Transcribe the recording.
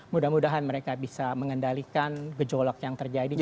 mudah mudahan mereka bisa mengendalikan gejolak yang terjadi